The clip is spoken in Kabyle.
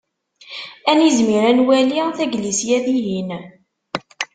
Ad nizmir ad nwali taglisya dihin.